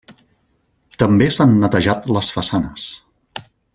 També s'han netejat les façanes.